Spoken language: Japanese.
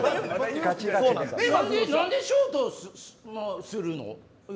何でショートするの。